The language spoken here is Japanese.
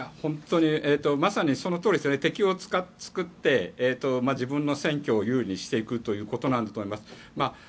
まさに、そのとおりで敵を作って自分の選挙を有利にしていくということなんだと思います。